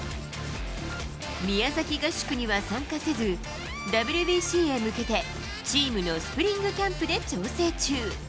宮崎合宿には参加せず、ＷＢＣへ向けてチームのスプリングキャンプで調整中。